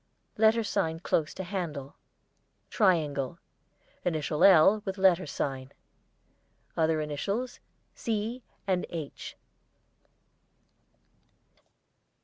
Letter sign close to handle. Triangle. Initial 'L' with letter sign. Other initials, 'C' and 'H.'